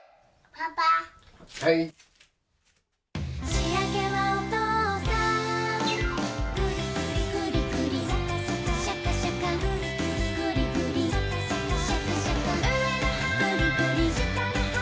「しあげはおとうさん」「グリグリシャカシャカ」「グリグリシャカシャカ」「うえのはしたのは」